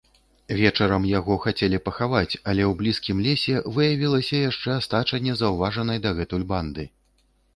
Вечарам яго хацелі пахаваць, але ў блізкім лесе выявілася яшчэ астача незаўважанай дагэтуль банды.